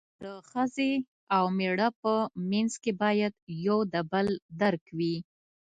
د ښځې او مېړه په منځ کې باید یو د بل درک وي.